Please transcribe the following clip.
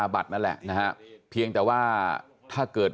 ครั้งแรกทุกเลย